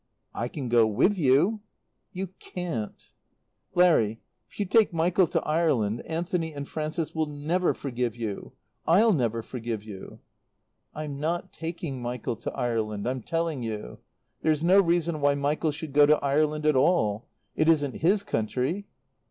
"I can go with you." "You can't." "Larry, if you take Michael to Ireland, Anthony and Frances will never forgive you. I'll never forgive you." "I'm not taking Michael to Ireland, I'm telling you. There's no reason why Michael should go to Ireland at all. It isn't his country."